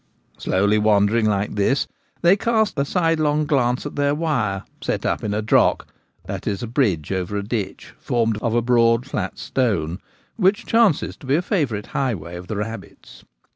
Slowly wandering like this, they cast a sidelong gfonce at their wire, set up in a ' drock '— i. e. a bridge over a ditch formed of a broad flat stone — which chances to be a favourite highway of the rabbits.